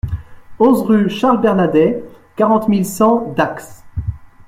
onze rue Charles Bernadet, quarante mille cent Dax